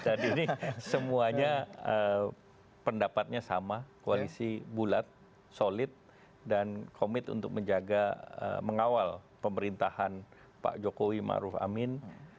tadi ini semuanya pendapatnya sama koalisi bulat solid dan komit untuk menjaga mengawal pemerintahan pak jokowi ma'ruf amin dua ribu sembilan belas dua ribu dua puluh empat